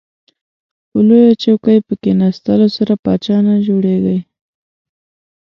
په لویه چوکۍ په کیناستلو سره پاچا نه جوړیږئ.